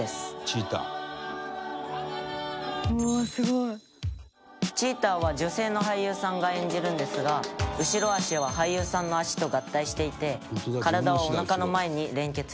「チーター」「チーターは女性の俳優さんが演じるんですが後ろ脚は俳優さんの足と合体していて体はおなかの前に連結しています」